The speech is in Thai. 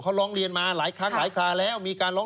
เขารองเรียนมาหลายครั้งหลายคราวแล้ว